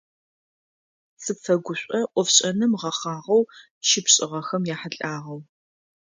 Сыпфэгушӏо ӏофшӏэным гъэхъагъэу щыпшӏыгъэхэм яхьылӏагъэу.